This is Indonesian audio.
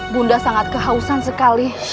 bunda sangat kehausan sekali